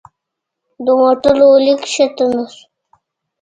له موټره ولي کښته نه شو؟